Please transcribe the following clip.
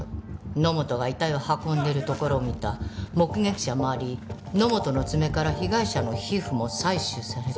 野本が遺体を運んでいるところを見た目撃者もあり野本の爪から被害者の皮膚も採取されたため送検しました。